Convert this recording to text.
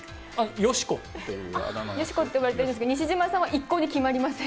よしこって言われてるんですけど、西島さんは一向に決まりません。